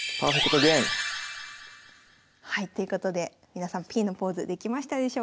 はいということで皆さんＰのポーズできましたでしょうか？